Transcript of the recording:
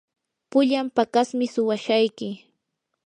pullan paqasmi suwashayki.